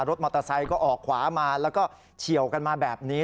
รถมอเตอร์ไซค์ก็ออกขวามาแล้วก็เฉียวกันมาแบบนี้